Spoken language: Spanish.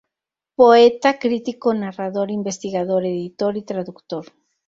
Poeta, crítico, narrador, investigador, editor y traductor.